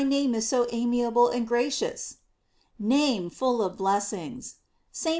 729 name is so amiable and gracious ! Name full of blessings. St.